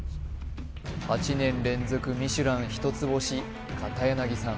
８年連続ミシュラン一つ星片柳さん